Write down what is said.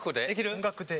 音楽で？